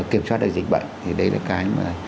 kiểm soát được dịch bệnh thì đây là cái mà